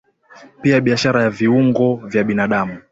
Pia biashara ya viungo vya binadamu